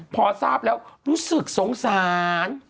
พอทราบแล้วรู้สึกสงสาร